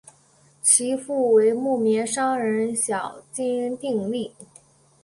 其父为木棉商人小津定利。